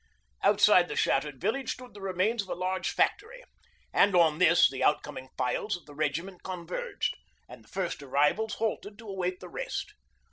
Outside the shattered village stood the remains of a large factory, and on this the outcoming files of the Regiment converged, and the first arrivals halted to await the rest.